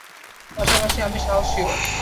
পাশাপাশি আমি সাহসী ও।